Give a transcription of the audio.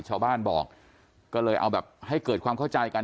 ชาวบ้านบอกก็เลยเอาแบบให้เกิดความเข้าใจกัน